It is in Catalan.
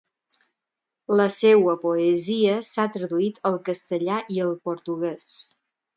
La seua poesia s'ha traduït al castellà i al portugués.